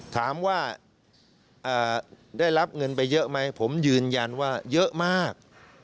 ถามว่าได้รับเงินไปเยอะไหมผมยืนยันว่าเยอะมาก